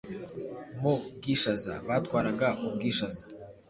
mu bwishaza batwaraga u bwishaza